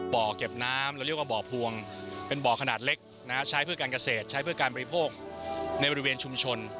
บ่อเก็บน้ำเราเรียกว่าบ่อพวงเป็นบ่อขนาดเล็กใช้เพื่อการเกษตรใช้เพื่อการบริโภคในบริเวณชุมชน